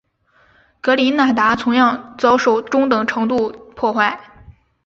格林纳达同样遭受中等程度破坏。